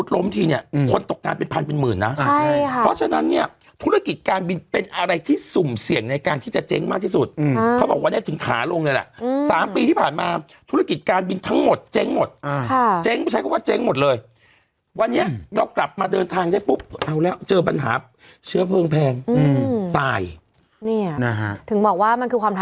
ใช่ค่ะเพราะฉะนั้นเนี้ยธุรกิจการบินเป็นอะไรที่สุ่มเสี่ยงในการที่จะเจ๊งมากที่สุดอืมเขาบอกว่าเนี้ยถึงขาลงเลยแหละอืมสามปีที่ผ่านมาธุรกิจการบินทั้งหมดเจ๊งหมดอ่าค่ะเจ๊งใช้คำว่าเจ๊งหมดเลยอืมวันนี้เรากลับมาเดินทางได้ปุ๊บเอาแล้วเจอปัญหาเชื้อเพิ่งแพงอืมตายเนี้ยนะ